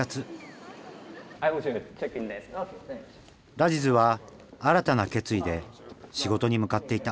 ラジズは新たな決意で仕事に向かっていた。